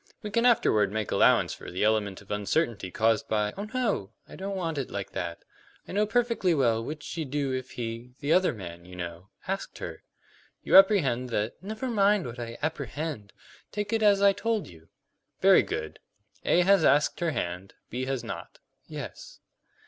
We can afterward make allowance for the element of uncertainty caused by " "Oh no; I don't want it like that. I know perfectly well which she'd do if he the other man you know asked her." "You apprehend that " "Never mind what I 'apprehend.' Take it as I told you." "Very good. A has asked her hand, B has not." "Yes."